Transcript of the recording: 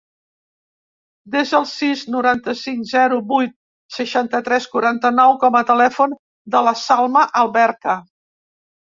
Desa el sis, noranta-cinc, zero, vuit, seixanta-tres, quaranta-nou com a telèfon de la Salma Alberca.